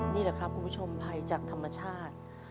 นี่แหละครับคุณผู้ชมภัยจากธรรมชาติ